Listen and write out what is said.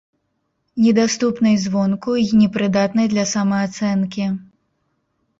Недаступнай звонку й непрыдатнай для самаацэнкі.